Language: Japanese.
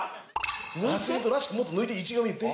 アスリートらしくもっと抜いて１行目言って。